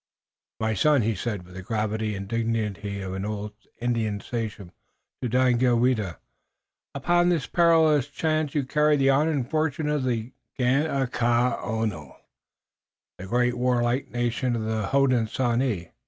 "My son," he said, with the gravity and dignity of an old Indian sachem, to Daganoweda, "upon this perilous chance you carry the honor and fortune of the Ganeagaono, the great warlike nation of the Hodenosaunee.